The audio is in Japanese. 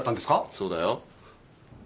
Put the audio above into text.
そうだよ。